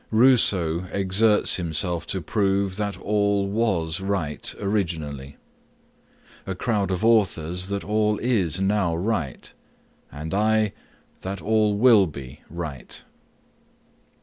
Rousseau exerts himself to prove, that all WAS right originally: a crowd of authors that all IS now right: and I, that all WILL BE right.